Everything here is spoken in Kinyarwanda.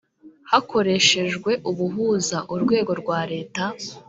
hakoreshejwe ubuhuza Urwego rwa Leta